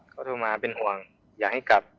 เขาโทรมาเป็นห่วงอยากให้กลับ